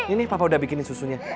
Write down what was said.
ini papa udah bikinin susunya